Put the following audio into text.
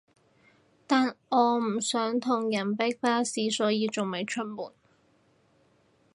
但我唔想同人逼巴士所以仲未出門口